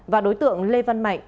và đối tượng lê văn mạnh